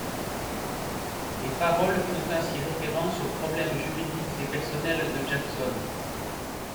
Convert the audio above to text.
Les paroles font ainsi référence aux problèmes juridiques et personnels de Jackson.